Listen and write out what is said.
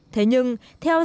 thế nhưng theo dõi